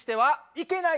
いけない。